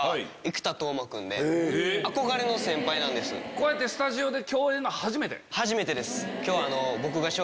こうやってスタジオで。